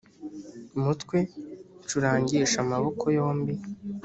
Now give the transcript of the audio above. mutwe ncurangisha amaboko yombi